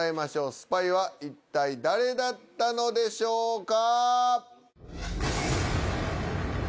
スパイは一体誰だったのでしょうか。